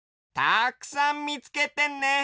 たくさんみつけてね！